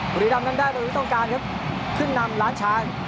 บุรีดำกำได้ต้องการครับขึ้นนำล้านช้าน